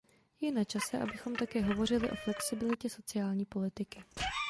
Je načase, abychom také hovořili o flexibilitě sociální politiky.